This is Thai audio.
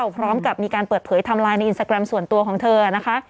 พร้อมกับมีการเปิดเผยไทม์ไลน์ในอินสตาแกรมส่วนตัวของเธอนะคะ